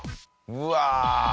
うわ。